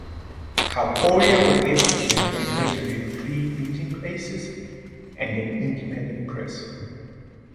Cachoeira was able to maintain relatively free meeting places and an independent press.